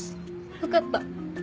わかった。